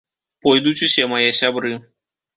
Пойдуць усе мае сябры.